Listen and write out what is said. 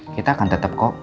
kita akan tetep kok